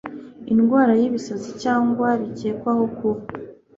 indwara y ibisazi cyangwa rikekwaho kuba